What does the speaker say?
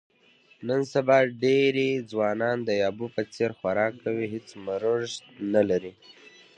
نن سبا ډېری ځوانان د یابو په څیر خوراک کوي، هېڅ مړښت نه لري.